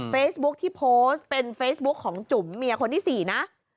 เฟซบุ๊คที่โพสต์เป็นเฟซบุ๊คของจุ๋มเมียคนที่๔นะ